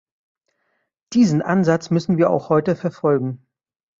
Diesen Ansatz müssen wir auch heute verfolgen.